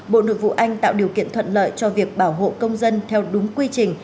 bộ nội vụ anh tạo điều kiện thuận lợi cho việc bảo hộ công dân theo đúng quy trình